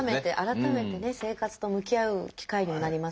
改めてね生活と向き合う機会にもなりますね。